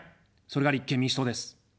それが立憲民主党です。